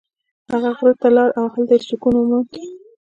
هغه غره ته لاړ او هلته یې سکون وموند.